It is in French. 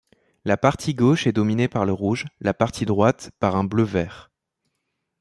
La partie gauche est dominée par le rouge, la partie droite par un bleu-vert.